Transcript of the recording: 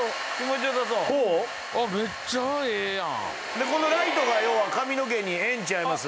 でこのライトが要は髪の毛にええん違います？